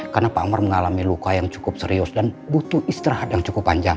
karena pak amar mengalami luka yang cukup serius dan butuh istirahat yang cukup panjang